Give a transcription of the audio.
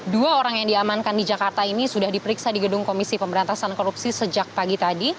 dua orang yang diamankan di jakarta ini sudah diperiksa di gedung komisi pemberantasan korupsi sejak pagi tadi